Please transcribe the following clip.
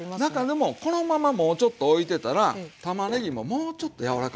でもこのままもうちょっとおいてたらたまねぎももうちょっと柔らかくなる。